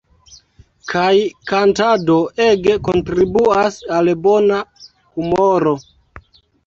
Kaj kantado ege kontribuas al bona humoro.